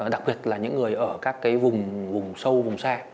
đặc biệt là những người ở các cái vùng sâu vùng xa